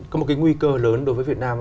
có một cái nguy cơ lớn đối với việt nam